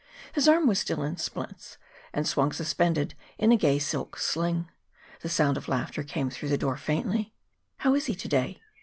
His arm was still in splints, and swung suspended in a gay silk sling. The sound of laughter came through the door faintly. "How is he to day?"